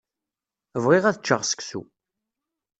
Bɣiɣ ad ččeɣ seksu.